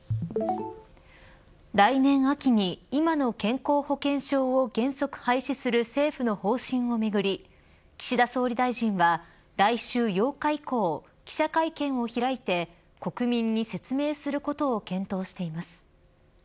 来年秋に今の健康保険証を原則廃止する政府の方針をめぐり岸田総理大臣は来週８日以降記者会見を開いて国民に説明することを検討しています。